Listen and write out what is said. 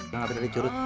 belum ngapain tadi curut